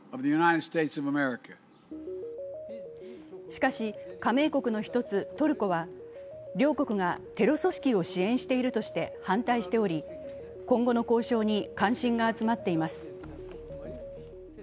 しかし加盟国の１つトルコは両国がテロ組織を支援しているとして反対しており今後の交渉に関心が集まっています。